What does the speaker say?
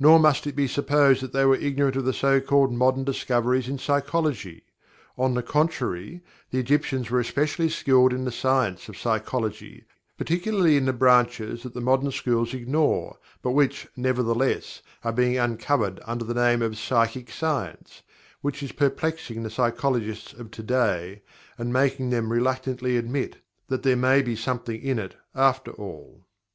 Nor must it be supposed that they were ignorant of the so called modern discoveries in psychology on the contrary, the Egyptians were especially skilled in the science of Psychology, particularly in the branches that the modern schools ignore, but which, nevertheless, are being uncovered under the name of "psychic science" which is perplexing the psychologists of to day, and making them reluctantly admit that "there may be something in it after all."